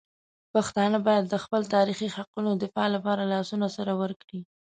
پښتانه باید د خپل تاریخي حقونو دفاع لپاره لاسونه سره ورکړي.